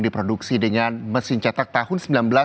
diproduksi dengan mesin cetak tahun seribu sembilan ratus sembilan puluh